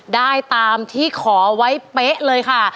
ได้ตามที่ขอไว้เป๊ะเลยค่ะ